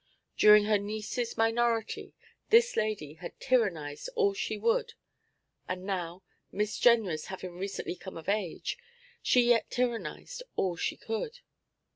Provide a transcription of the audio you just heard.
During her niece's minority this lady had tyrannized all she would, and now, Miss Jenrys having recently come of age, she yet tyrannized all she could.